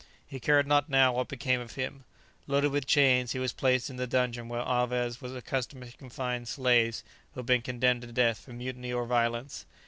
He cared not now what became of him. Loaded with chains, he was placed in the dungeon where Alvez was accustomed to confine slaves who had been condemned to death for mutiny or violence.